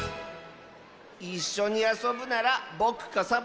いっしょにあそぶならぼくかサボさんだって。